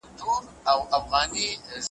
ما یې پښو ته وه لیدلي بې حسابه وزرونه `